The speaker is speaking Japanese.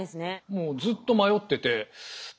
もうずっと迷ってて。